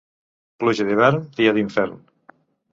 Pluja d'hivern, dia d'infern.